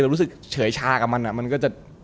รู้สึกเฉยชากับมันมันก็จะ